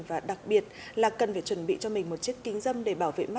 và đặc biệt là tia uv cao nhất thì sẽ xuất hiện vào ban trưa